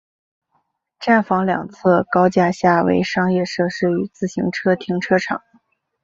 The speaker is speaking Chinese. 站房两侧高架下为商业设施与自行车停车场。